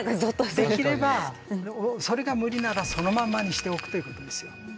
できればそれが無理ならそのままにしておくということですよ。